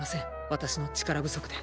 私の力不足で。